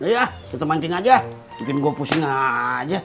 ya kita mancing aja bikin gue pusing aja